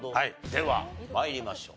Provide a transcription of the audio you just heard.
では参りましょう。